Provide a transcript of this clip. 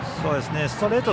ストレート